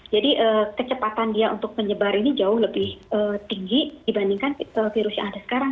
jadi kecepatan dia untuk menyebar ini jauh lebih tinggi dibandingkan virus yang ada sekarang